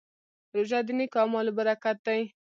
روژه د نېکو اعمالو برکت دی.